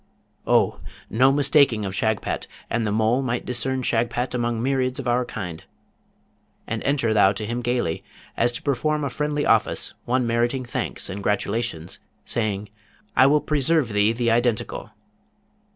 Oh! no mistaking of Shagpat, and the mole might discern Shagpat among myriads of our kind; and enter thou to him gaily, as to perform a friendly office, one meriting thanks and gratulations, saying, ''I will preserve thee the Identical!''